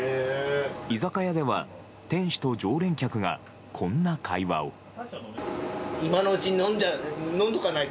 居酒屋では店主と常連客がこんな会話を。